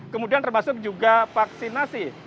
kemudian termasuk juga vaksinasi